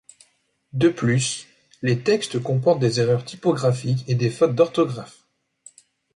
De plus, les textes comportent des erreurs typographiques et des fautes d'orthographe.